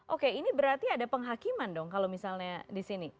oke ini berarti ada penghakiman dong kalau misalnya di sini